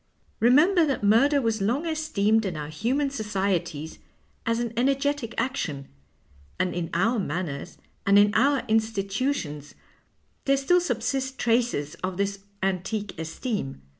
Remember that murder was long esteemed in our human societies as an energetic action, and in our manners and in our institutions there still subsist traces of this antique esteem.